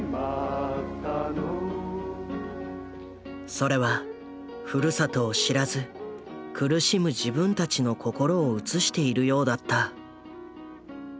それはふるさとを知らず苦しむ自分たちの心を映しているようだった。